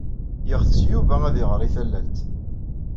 Yeɣtes Yuba ad iɣer i tallalt.